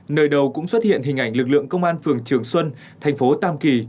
nơi đầu cũng xuất hiện hình ảnh lực lượng công an phường trường xuân thành phố tam kỳ